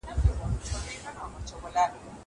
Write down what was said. که وخت وي، درسونه اورم!